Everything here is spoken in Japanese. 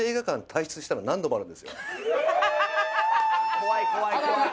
怖い怖い怖い怖い。